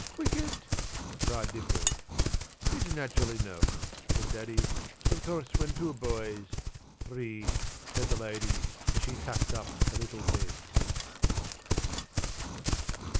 p> "Cwicket!" cried Dimples. "It's natural enough," said Daddy; "of course when two boys " "Three," said the Lady, as she tucked up the little beds.